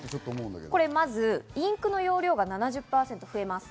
これ、まずインクの容量が７０％増えます。